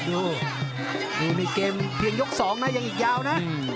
ดูนี่เกมเพียงยก๒นะยังอีกยาวนะ